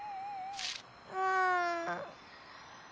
うん。